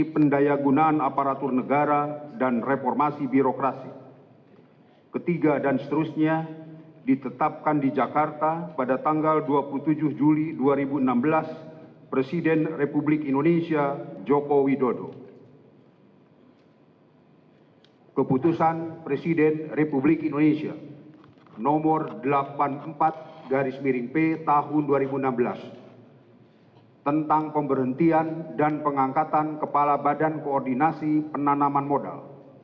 pengambilan sumpah jabatan menteri negara kabinet kerja dan kepala badan koordinasi penanaman modal